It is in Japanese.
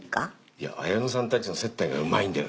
いや綾乃さんたちの接待がうまいんだよ。